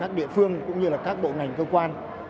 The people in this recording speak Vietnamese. các địa phương cũng như là các bộ ngành cơ quan